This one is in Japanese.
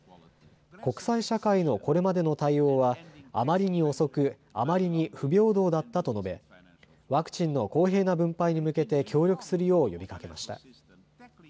国際社会のこれまでの対応はあまりに遅く、あまりに不平等だったと述べワクチンの公平な分配に向けて協力するよう呼びかけました。